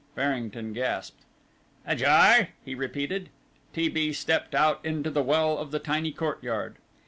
Farrington gasped. "Ajar?" he repeated. T. B. stepped out into the well of the tiny courtyard.